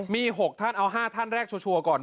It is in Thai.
มี๖ท่านเอา๕ท่านแรกชัวร์ก่อน